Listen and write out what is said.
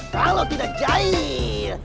kalau tidak jahil